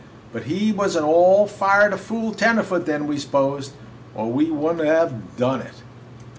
But he was an all fireder fool tenderfoot than we s'posed, or we would n't have done it."